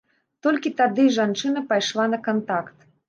Толькі тады жанчына пайшла на кантакт.